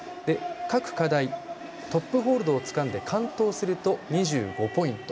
各課題、トップホールドをつかみ完登すると２５ポイント。